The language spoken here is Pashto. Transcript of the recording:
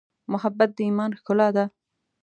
محبت د ایمان ښکلا ده.